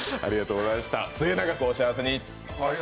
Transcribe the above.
末永くお幸せに！